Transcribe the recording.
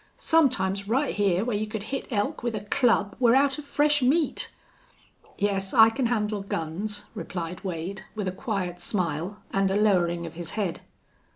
Sometimes right hyar where you could hit elk with a club we're out of fresh meat." "Yes, I can handle guns," replied Wade, with a quiet smile and a lowering of his head.